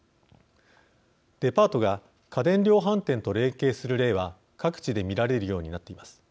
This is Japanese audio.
デパートが家電量販店と連携する例は各地で見られるようになっています。